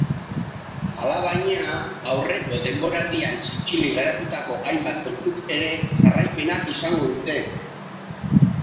Alabaina, aurreko denboraldian zintzilik geratutako hainbat kontuk ere jarraipena izango dute.